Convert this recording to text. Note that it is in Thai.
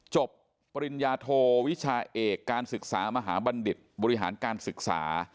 ปริญญาโทวิชาเอกการศึกษามหาบัณฑิตบริหารการศึกษา